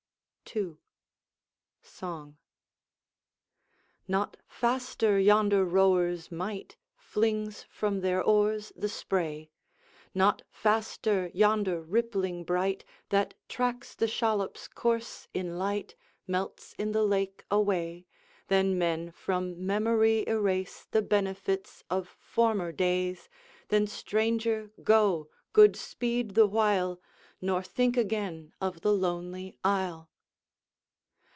II. Song. 'Not faster yonder rowers' might Flings from their oars the spray, Not faster yonder rippling bright, That tracks the shallop's course in light, Melts in the lake away, Than men from memory erase The benefits of former days; Then, stranger, go! good speed the while, Nor think again of the lonely isle.